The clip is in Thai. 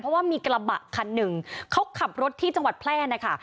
เพราะว่ามีกระบะคันหนึ่งเขาขับรถที่จังหวัดแพร่นะคะ